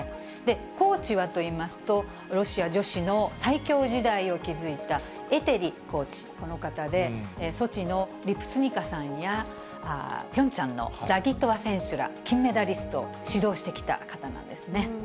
コーチはといいますと、ロシア女子の最強時代を築いたエテリコーチ、この方で、ソチのリプニツカヤさんやピョンチャンのザギトワ選手ら、金メダリストを指導してきた方なんですね。